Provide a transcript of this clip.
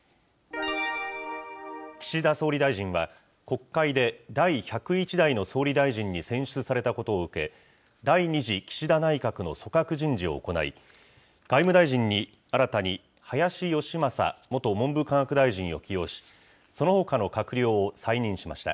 岸田総理大臣は、国会で第１０１代の総理大臣に選出されたことを受け、第２次岸田内閣の組閣人事を行い、外務大臣に新たに林芳正元文部科学大臣を起用し、そのほかの閣僚を再任しました。